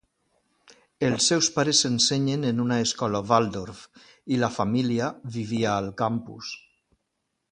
Els seus pares ensenyen en una escola Waldorf i la família vivia al campus.